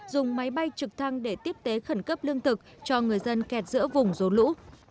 dùng máy bay trực thăng để tiếp tế khẩn cấp lương thực cho người dân kẹt giữa vùng rốn lũ